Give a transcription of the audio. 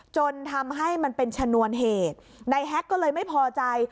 จนทำให้มันเป็นชนวนเหตุนายแฮ็กก็เลยไม่พอใจ